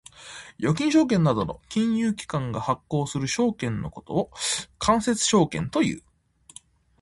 預金証券などの金融機関が発行する証券のことを間接証券という。